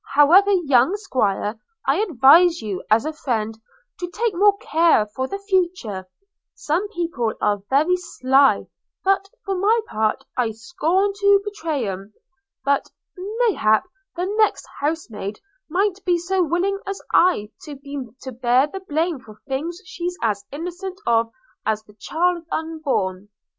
However, young 'Squire, I advises you, as a friend, to take more care for the future: some people are very sly; but for my part I scorn to betray 'um – but mayhap the next housemaid mid'nt be so willing as I have been to bear the blame for things she's as innocent of as the child unborn.'